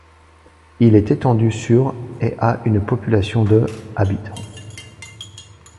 Il est étendu sur et a une population de hab.